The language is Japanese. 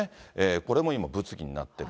これも今、物議になってる。